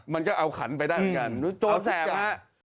มันก็เอาขันไปได้เหมือนกันโจรแสบฮะ